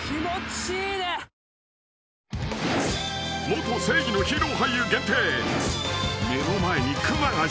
［元正義のヒーロー俳優限定］